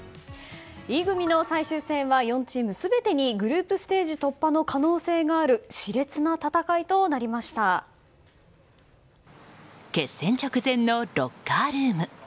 Ｅ組の最終戦は４チーム全てにグループステージ突破の可能性がある決戦直前のロッカールーム。